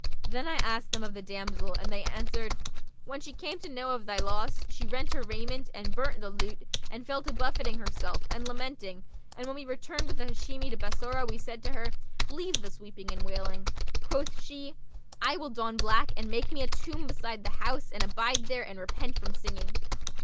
Then I asked them of the damsel, and they answered, 'When she came to know of thy loss, she rent her raiment and burnt the lute and fell to buffeting herself and lamenting and when we returned with the Hashimi to Bassorah we said to her, 'Leave this weeping and wailing.' Quoth she, 'I will don black and make me a tomb beside the house and abide there and repent from singing.'